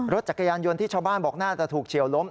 รถจักรยานยนต์ที่ชาวบ้านบอกน่าจะถูกเฉียวล้ม